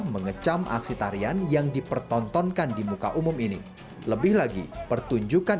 mengecam aksi tarian yang dipertontonkan di muka umum ini lebih lagi pertunjukan